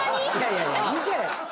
いやいやいいじゃない。